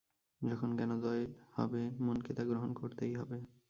যখন জ্ঞানোদয় হবে, মনকে তা গ্রহণ করতেই হবে।